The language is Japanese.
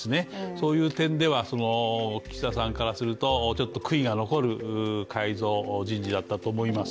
そういう点では岸田さんからすると、ちょっと悔いが残る改造人事だったと思います